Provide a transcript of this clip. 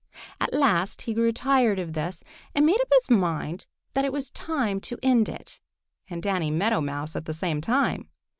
At last he grew tired of this and made up his mind that it was time to end it and Danny Meadow Mouse at the same time.